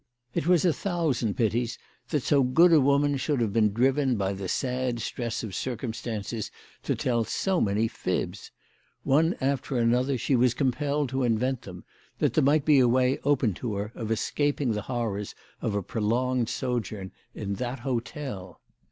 It was a thousand pities that so good a woman should have been driven by the sad stress of circum stances to tell so many fibs. One after another she was compelled to invent them, that there might be a way open to her of escaping the horrors of a prolonged sojourn in that hotel.